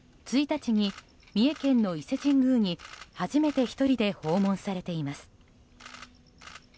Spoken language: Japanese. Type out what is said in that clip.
１日に、三重県の伊勢神宮に初めて１人で訪問されています。